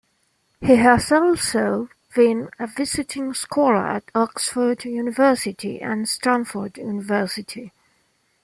He has also been a visiting scholar at Oxford University and Stanford University.